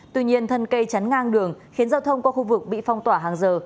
tuy nhiên thân cây chắn ngang đường khiến giao thông qua khu vực bị phong tỏa hàng giờ